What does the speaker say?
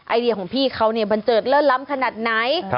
ไอเดียของพี่เขาเนี่ยบันเจิดเลิศล้ำขนาดไหน